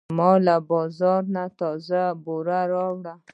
ما له بازار نه تازه بوره راوړه.